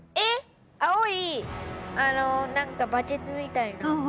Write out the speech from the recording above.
青いあの何かバケツみたいな。